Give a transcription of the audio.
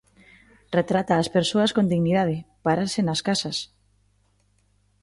Retrata as persoas con dignidade, párase nas casas.